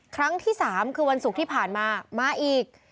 ครั้งที่๓คือวันศุกร์ที่ผ่านมามาอีก